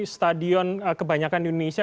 stadion kebanyakan di indonesia